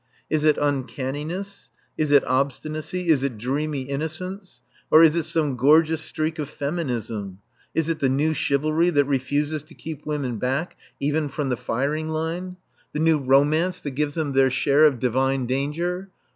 Is it uncanniness? Is it obstinacy? Is it dreamy innocence? Or is it some gorgeous streak of Feminism? Is it the New Chivalry, that refuses to keep women back, even from the firing line? The New Romance, that gives them their share of divine danger?